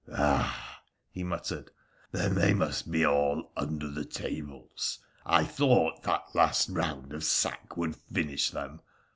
' Ah !' he muttered ;' then they must be all under the tables ! I thought that last round of sack would finish them